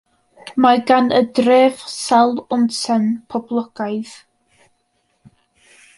Mae gan y dref sawl onsen poblogaidd.